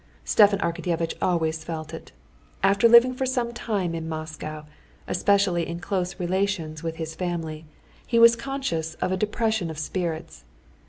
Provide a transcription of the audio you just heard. Stepan Arkadyevitch always felt it. After living for some time in Moscow, especially in close relations with his family, he was conscious of a depression of spirits.